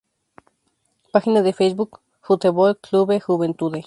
Página de Facebook: "Futebol Clube Juventude"